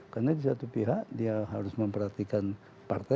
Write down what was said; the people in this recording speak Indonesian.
karena di satu pihak dia harus memperhatikan partai